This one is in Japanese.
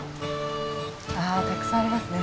たくさんありますね。